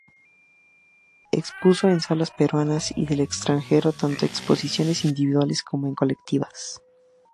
Expuso en salas peruanas y del extranjero tanto en exposiciones individuales como en colectivas.